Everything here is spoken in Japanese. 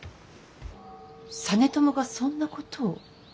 実朝がそんなことを。